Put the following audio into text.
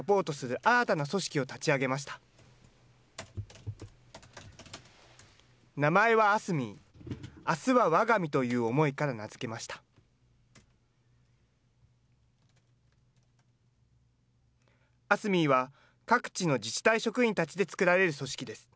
アスミーは、各地の自治体職員たちで作られる組織です。